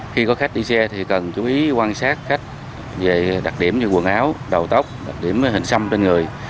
khi có khách đi xe thì cần chú ý quan sát khách về đặc điểm như quần áo đầu tóc đặc điểm hình xăm trên người